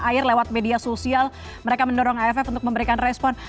air lewat media sosial mereka mendorong aff untuk memberikan respon